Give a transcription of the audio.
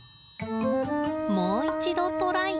もう一度トライ。